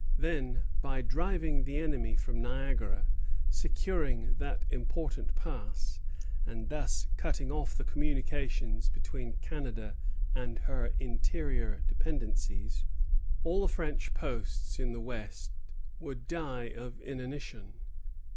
Then, by driving the enemy from Niagara, securing that important pass, and thus cutting off the communication between Canada and her interior dependencies, all the French posts in the West would die of inanition.